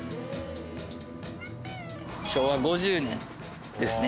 昭和５０年ですね。